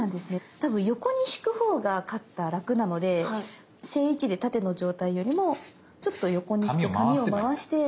たぶん横に引くほうがカッター楽なので正位置で縦の状態よりもちょっと横にして紙を回して。